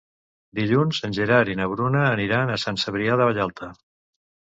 Dilluns en Gerard i na Bruna aniran a Sant Cebrià de Vallalta.